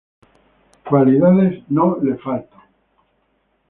Cualidades no le faltan.